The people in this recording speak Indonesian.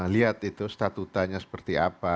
lihat itu statutanya seperti apa